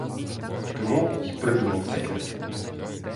Тому й придумав таке.